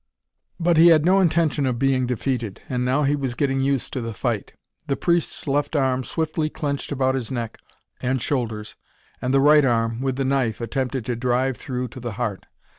But he had no intention of being defeated, and now he was getting used to the fight. The priest's left arm swiftly clenched about his neck and shoulders, and the right arm, with the knife, attempted a drive through to the heart.